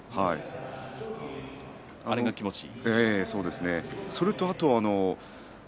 あれが気持ちいい。